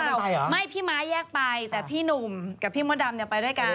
เอ้าแยกกันไปเหรอไม่พี่ม้าแยกไปแต่พี่หนุ่มกับพี่มดดำจะไปด้วยกัน